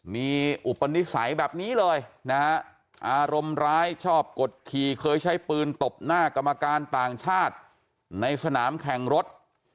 มีอุปนิสัยแบบนี้เลยนะฮะอารมณ์ร้ายชอบกดขี่เคยใช้ปืนตบหน้ากรรมการต่างชาติในสนามแข่งรถ